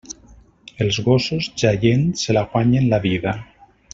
Els gossos, jaient, se la guanyen, la vida.